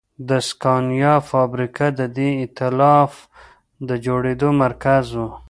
د سکانیا فابریکه د دې اېتلاف د جوړېدو مرکز و.